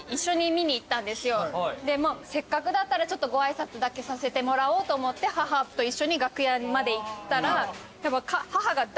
せっかくだったらご挨拶だけさせてもらおうと思って母と一緒に楽屋まで行ったら。